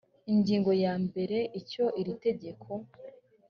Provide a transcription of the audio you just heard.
ingingo ya mbere icyo iri tegeko